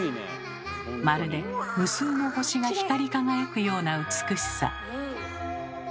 まるで無数の星が光り輝くような美しさ。